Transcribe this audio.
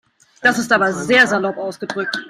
Das ist aber sehr salopp ausgedrückt.